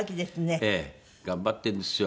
ええ。頑張ってるんですよ。